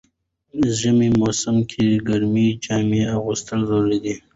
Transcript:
د ژمی موسم کی ګرمی جامی اغوستل ضروري ده.